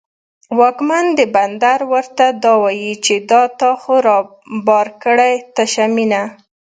واکمن د بندر ورته دا وايي، چې دا تا خو رابار کړې تشه مینه